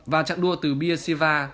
và trạng đua từ beersheba